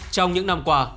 trong những năm qua